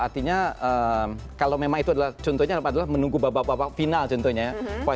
artinya kalau memang itu adalah contohnya adalah menunggu babak babak final contohnya ya